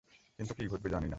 কিন্তু কি ঘটবে জানি না।